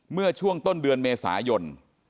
เมื่อช่วงต้นเดือนเมษายน